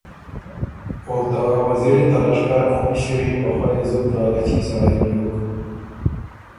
او ته وزیری ته لشکر ا مِݭِر يې په خؤیه زُت لالچي سړئ بیوک